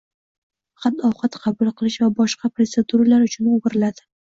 Faqat ovqat qabul qilish va boshqa proseduralar uchun o`giriladi